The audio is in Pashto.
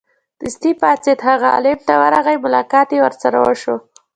دستې پاڅېد هغه عالم ت ورغی ملاقات یې ورسره وشو.